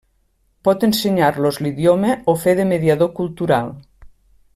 Pot ensenyar-los l'idioma o fer de mediador cultural.